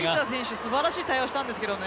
すばらしい対応したんですけどね。